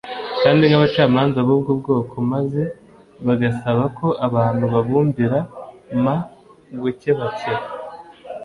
kandi nk'abacamanza b'ubwo bwoko maze bagasaba ko abantu babumvira ma gukebakeba.